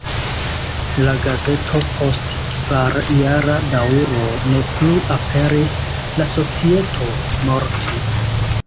La gazeto post kvarjara daŭro ne plu aperis, la societo mortis.